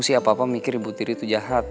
ngerasa siapa apa mikir ibu tiri tuh jahat